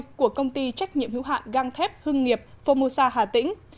vụ nổ của công ty trách nhiệm hữu hạn găng thép hưng nghiệp phomosa hà tĩnh